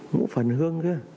mũ phần hương chứ